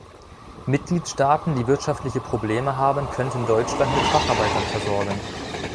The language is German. Mitgliedstaaten, die wirtschaftliche Probleme haben, könnten Deutschland mit Facharbeitern versorgen.